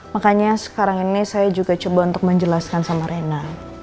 makanya sekarang ini saya juga coba untuk menjelaskan sama rena